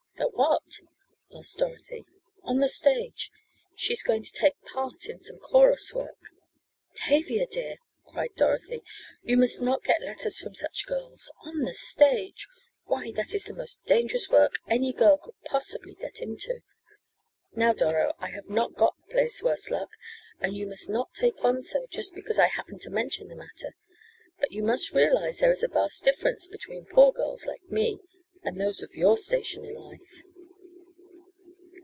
"At what?" asked Dorothy. "On the stage. She is going to take part in some chorus work " "Tavia, dear!" cried Dorothy. "You must not get letters from such girls. On the stage! Why, that is the most dangerous work any girl could possibly get into." "Now, Doro, I have not got the place, worse luck. And you must not take on so just because I happened to mention the matter. But you must realize there is a vast difference between poor girls like me, and those of your station in life!"